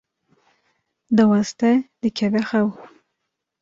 diweste dikeve xew.